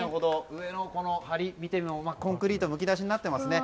上の梁を見てもコンクリートがむき出しになっていますね。